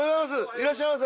いらっしゃいませ。